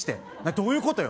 どういうことよ？